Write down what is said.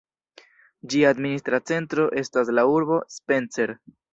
Ĝia administra centro estas la urbo Spencer.